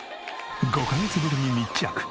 ５カ月ぶりに密着。